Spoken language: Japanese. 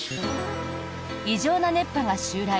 異常な熱波が襲来